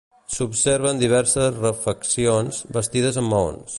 S'observen diverses refeccions bastides amb maons.